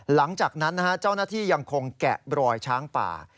หลังจากนั้นเจ้าหน้าที่ยังคงแกะรอยช้างป่า